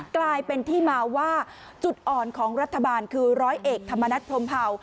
กลายเป็นที่มาว่าจุดอ่อนของรัฐบาลคือร้อยเอกธรรมนัฐพรมเผา